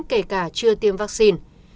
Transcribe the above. kể cả chưa tiêm vaccine